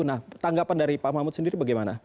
nah tanggapan dari pak mahmud sendiri bagaimana